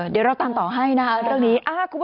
เดี๋ยวเราตามต่อให้นะตรงนี้